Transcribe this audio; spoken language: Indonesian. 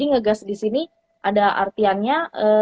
ngegas di sini ada artinya